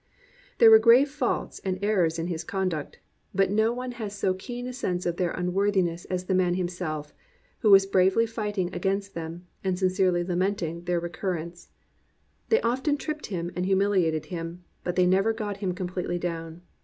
There were grave faults and errors in his conduct. But no one had so keen a sense of their unworthiness as the man himself, who was bravely fighting against them, and sincerely lamenting their recurrence. They often tripped him and humiliated him, but they never got him completely down.